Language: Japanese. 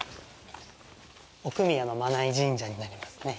奥宮の眞名井神社になりますね。